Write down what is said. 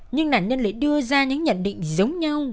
nhưng nạn nhân lại đưa ra những nhận định giống nhau